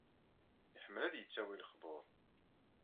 Iḥemmel ad yettawi lexbur.